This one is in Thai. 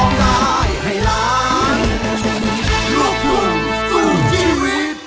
ได้ครับ